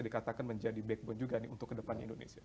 dikatakan menjadi backbone juga untuk ke depan indonesia